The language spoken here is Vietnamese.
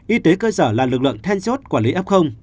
y tế cơ sở là lực lượng then chốt quản lý f